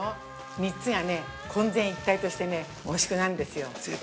３つがね、混然一体としてねおいしくなるんですよ。